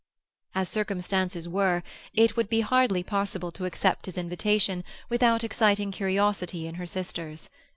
As circumstances were, it would be hardly possible to accept this invitation without exciting curiosity in her sisters.